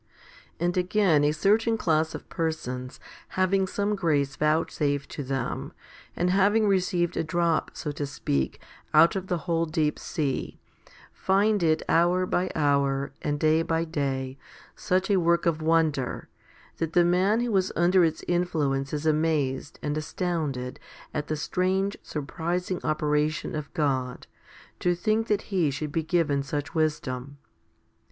And again a certain class of persons having some grace vouchsafed to them, and having received a drop, so to speak, out of the whole deep sea, find it hour by hour, and day by day, such a work of wonder, that the man who is under its influence is amazed and astounded at the strange, surprising opera tion of God, to think that he should be given such wisdom.